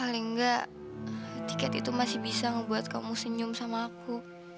paling enggak tiket itu masih bisa ngebuat kamu senyum sama aku